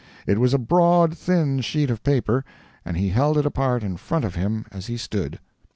It was a broad, thin sheet of paper, and he held it apart in front of him as he stood.